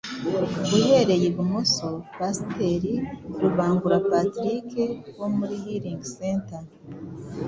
Uhereye ibumoso: Pasiteri Rubangura Patrick wo muri Healing Center